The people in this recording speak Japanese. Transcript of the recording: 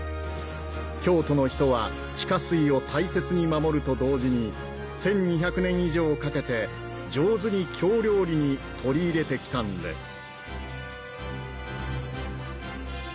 京都の人は地下水を大切に守ると同時に１２００年以上かけて上手に京料理に取り入れてきたんです